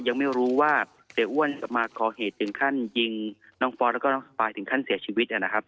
ยังไม่รู้ว่าเสียอ้วนมาก่อเหตุถึงขั้นยิงน้องฟอสแล้วก็น้องสปายถึงขั้นเสียชีวิตนะครับ